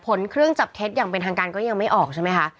เครื่องจับเท็จอย่างเป็นทางการก็ยังไม่ออกใช่ไหมคะ